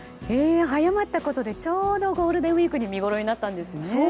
早まったことでちょうどゴールデンウィークに見ごろになったんですね。